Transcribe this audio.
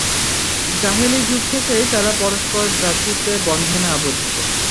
জাহেলী যুগ থেকেই তারা পরস্পর ভ্রাতৃত্বের বন্ধনে আবদ্ধ।